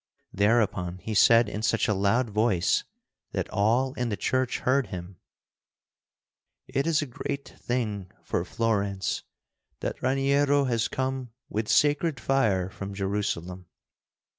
Thereupon he said in such a loud voice that all in the church heard him: "It is a great thing for Florence that Raniero has come with sacred fire from Jerusalem.